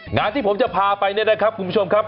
งานที่ผมจะพาไปเนี่ยนะครับคุณผู้ชมครับ